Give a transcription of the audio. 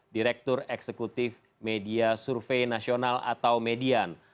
direktur eksekutif media survei nasional atau median